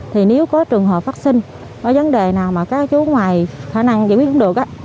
thì nếu có trường hợp vaccine có vấn đề nào mà các chú ngoài khả năng giải quyết cũng được